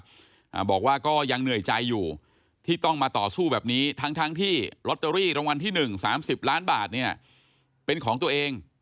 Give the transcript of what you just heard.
อ่าบอกว่าก็ยังเหนื่อยใจอยู่ที่ต้องมาต่อสู้แบบนี้ทั้งทั้งที่ลอตเตอรี่รางวัลที่หนึ่งสามสิบล้านบาทเนี่ยเป็นของตัวเอง